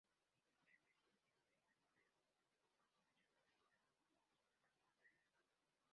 Tiene preferencia de aire húmedo, con mucha claridad o con sombra moderada.